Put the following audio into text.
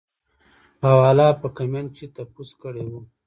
پۀ حواله پۀ کمنټ کښې تپوس کړے وۀ -